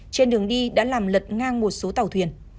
trên đường đi đã làm lật ngang một số tàu thuyền